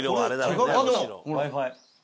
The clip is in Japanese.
Ｗｉ−Ｆｉ。